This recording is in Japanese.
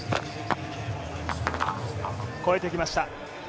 越えてきました。